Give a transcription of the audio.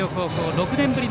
６年ぶり